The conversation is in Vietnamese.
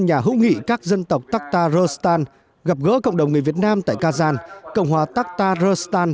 nhà hữu nghị các dân tộc taktaristan gặp gỡ cộng đồng người việt nam tại kazan cộng hòa taktaristan